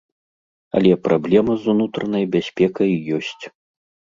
Але праблема з унутранай бяспекай ёсць.